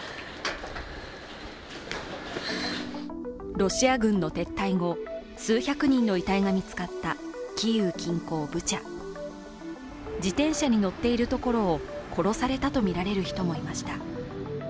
ロシア軍の撤退後、数百人の遺体が見つかったキーウ近郊ブチャ自転車に乗っているところを殺されたとみられる人もいました。